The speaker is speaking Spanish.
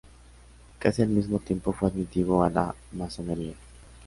Casi al mismo tiempo fue admitido a la masonería.